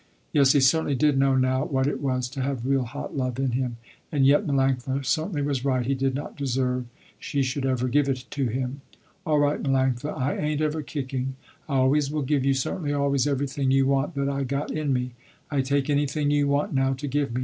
Yes he certainly did know now what it was to have real hot love in him, and yet Melanctha certainly was right, he did not deserve she should ever give it to him. "All right Melanctha I ain't ever kicking. I always will give you certainly always everything you want that I got in me. I take anything you want now to give me.